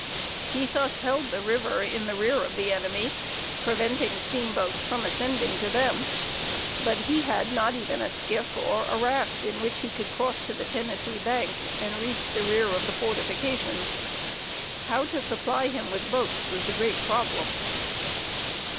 He thus held the river in the rear of the enemy, preventing steamboats from ascending to them; but he had not even a skiff or a raft in which he could cross to the Tennessee bank, and reach the rear of the fortifications. How to supply him with boats was the great problem.